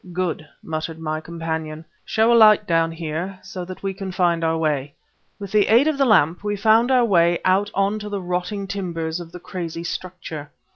"Good," muttered my companion. "Show a light down here, so that we can find our way." With the aid of the lamp we found our way out on to the rotting timbers of the crazy structure.